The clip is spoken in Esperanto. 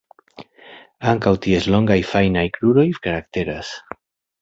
Ankaŭ ties longaj fajnaj kruroj karakteras.